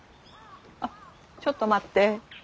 あっちょっと待って。